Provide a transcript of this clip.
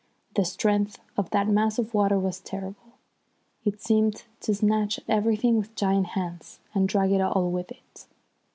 The strength of that mass of water was terrible. It seemed to snatch at everything with giant hands, and drag all with it.